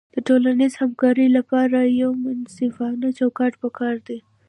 د ټولنیزې همکارۍ لپاره یو منصفانه چوکاټ پکار دی.